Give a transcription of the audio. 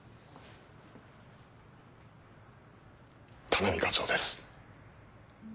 田波課長です。